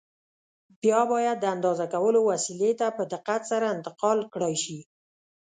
بیا باید د اندازه کولو وسیلې ته په دقت سره انتقال کړای شي.